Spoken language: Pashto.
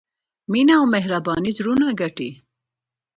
مینه او مهرباني زړونه ګټي.